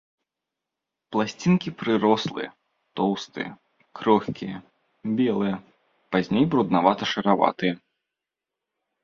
Пласцінкі прырослыя, тоўстыя, крохкія, белыя, пазней бруднавата-шараватыя.